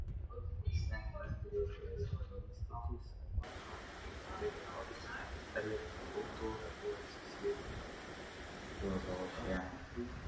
Senās Grieķijas mistiķis un matemātiķis Pitagors rietumu kultūrā ieviesis jēdzienu filozofija.